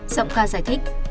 giọng ca giải thích